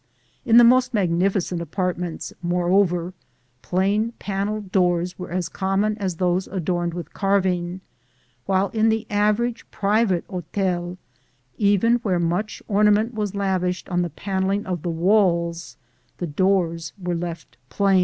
In the most magnificent apartments, moreover, plain panelled doors were as common as those adorned with carving; while in the average private hôtel, even where much ornament was lavished on the panelling of the walls, the doors were left plain.